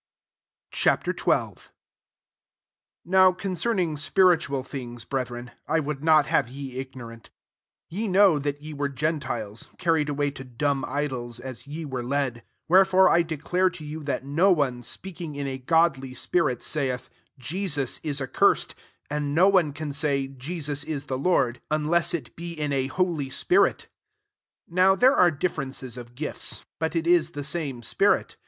Ch. XII. 1 NOW concern ing spiritual things, bretbreo, 1 Would not have ye ignorant 2 Ye know that ye were gen tiles, carried away to dan* idols, as ye were led. 3 Where fore I declare to you that no one, speaking in a godly spirit, saith, « Jesus i> accursed;" and no one can a<ay, ^^ Jesoa » the Lord|" unless it ^r in a holy 1 CORINTHIANS XII. 285 spirit 4 Nqw there are differ wnces of gifts ;' but U h the le spirit.